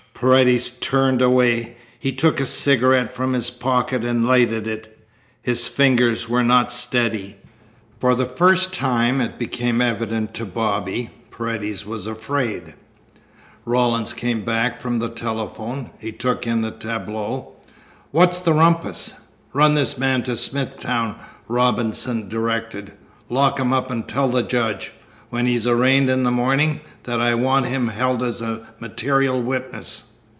Paredes turned away. He took a cigarette from his pocket and lighted it. His fingers were not steady. For the first time, it became evident to Bobby, Paredes was afraid. Rawlins came back from the telephone. He took in the tableau. "What's the rumpus?" "Run this man to Smithtown," Robinson directed. "Lock him up, and tell the judge, when he's arraigned in the morning, that I want him held as a material witness."